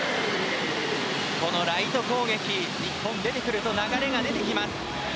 このライト攻撃が日本から出てくると流れが出てきます。